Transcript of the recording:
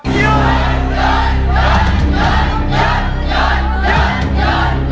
สู้หรือหยุดครับ